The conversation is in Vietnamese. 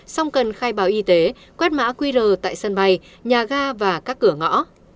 song cần khai báo y tế quét mã qr tại sân bay nhà ga và các cửa ngõ